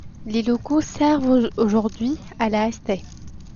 Les locaux servent aujourd'hui à la St.